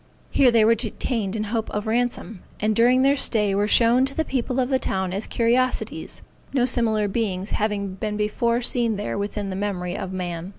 Here they were detained in hope of ransome, and during their stay were shown to the people of the town as curiosities, no similar beings having been before seen there within the memory of man.